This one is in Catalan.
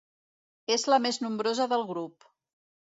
És la més nombrosa del grup.